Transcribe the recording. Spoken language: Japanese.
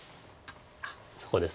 そこです。